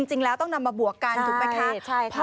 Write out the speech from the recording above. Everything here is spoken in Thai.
จริงแล้วต้องนำมาบวกกันถูกไหมคะ